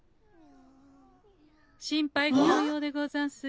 ・心配ご無用でござんすよ。